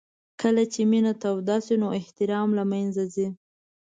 کله چې مینه توده شي نو احترام له منځه ځي.